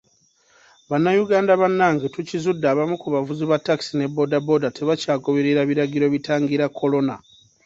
Bannayuganda bannange, tukizudde abamu ku bavuzi ba takisi ne bodaboda tebakyagoberera biragiro bitangira kolona.